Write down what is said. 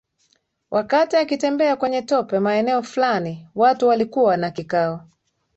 Wakati akitembea kwenye tope maeneo Fulani watu walikuwa na kikao